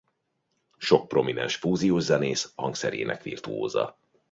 Sok prominens fúziós zenész hangszerének virtuóza.